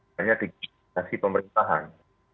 hanya digitalisasi pemerintahan